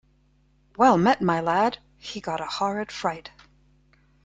“Well met, my lad!” He got a horrid fright.